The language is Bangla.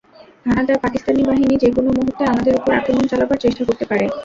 হানাদার পাকিস্তানি বাহিনী যেকোনো মুহূর্তে আমাদের ওপর আক্রমণ চালাবার চেষ্টা করতে পারে।